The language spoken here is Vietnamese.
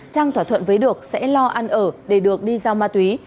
trang thỏa thuận với được sẽ lo ăn ở để được đi giao ma túy